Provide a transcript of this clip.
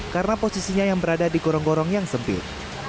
karena posisinya yang berada di gorong gorong yang sempit